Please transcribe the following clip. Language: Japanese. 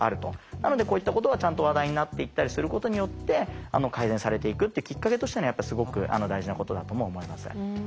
なのでこういったことがちゃんと話題になっていったりすることによって改善されていくっていうきっかけとしてすごく大事なことだとも思います。